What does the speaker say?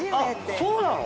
そうなの⁉